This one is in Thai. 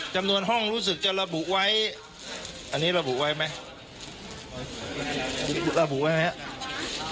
จำนวนห้องรู้สึกจะระบุไว้อันนี้ระบุไว้ไหมระบุไว้ไหมครับ